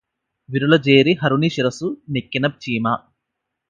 విరుల జేరి హరుని శిరసు నెక్కిన చీమ